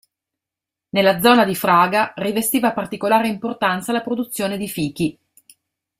Nella zona di Fraga rivestiva particolare importanza la produzione di fichi.